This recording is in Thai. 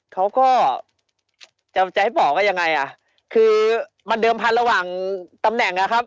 เขาก็จะจะให้บอกว่ายังไงอ่ะคือมันเดิมพันธุ์ระหว่างตำแหน่งอ่ะครับ